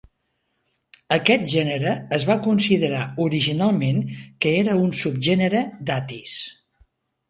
Aquest gènere es va considerar originalment que era un subgènere d'"atys".